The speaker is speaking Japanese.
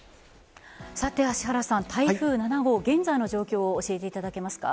芦原さん、台風７号現在の状況を教えていただけますか？